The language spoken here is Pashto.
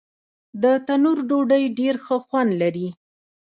د تندور ډوډۍ ډېر ښه خوند لري.